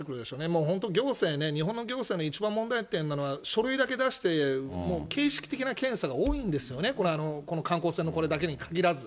もう本当、行政ね、日本の行政の一番問題点なのは、書類だけ出して、もう形式的な検査が多いんですよね、この観光船のこれだけに限らず。